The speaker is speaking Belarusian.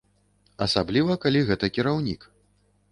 Асабліва калі гэта кіраўнік.